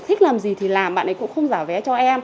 thích làm gì thì làm bạn ấy cũng không giả vé cho em